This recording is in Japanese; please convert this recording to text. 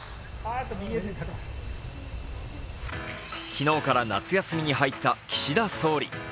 昨日から夏休みに入った岸田総理。